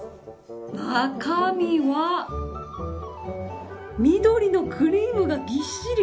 中身は緑のクリームがぎっしり。